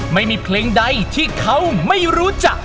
ไม่มีเพลงใดที่เขาไม่รู้จัก